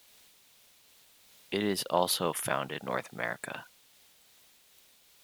It is also found in North America.